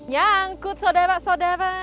yang angkut saudara saudara